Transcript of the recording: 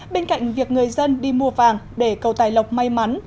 bên cạnh việc người dân đi mua vàng để cầu tài lộc may mắn